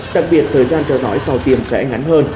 đặc biệt thời gian theo dõi sau tiêm sẽ ngắn hơn